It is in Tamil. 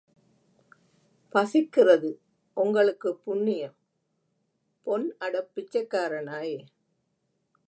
பசிக்கிறது ஒங்களுக்குப் புண்ணியம், பொன் அடப் பிச்சைக்கார நாயே!